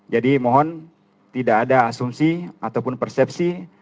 jadi mohon tidak ada asumsi ataupun persepsi